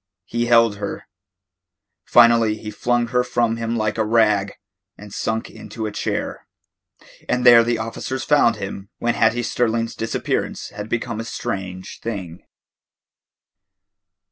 He held her. Finally he flung her from him like a rag, and sank into a chair. And there the officers found him when Hattie Sterling's disappearance had become a strange thing.